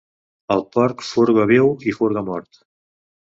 El porc furga viu i furga mort.